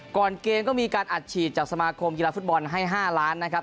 ก่อนเกมก็มีการอัดฉีดจากสมาคมกีฬาฟุตบอลให้๕ล้านนะครับ